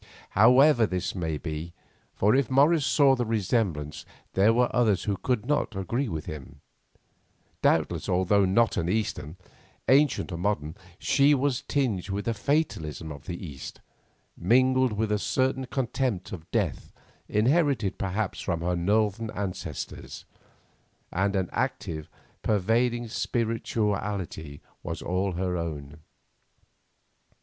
However this may be, for if Morris saw the resemblance there were others who could not agree with him; doubtless although not an Eastern, ancient or modern, she was tinged with the fatalism of the East, mingled with a certain contempt of death inherited perhaps from her northern ancestors, and an active, pervading spirituality that was all her own.